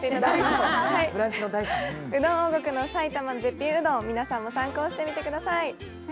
うどん王国の埼玉の絶品うどん、皆さんも参考にしてみてください。